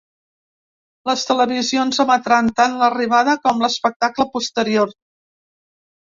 Les televisions emetran tant l’arribada com l’espectacle posterior.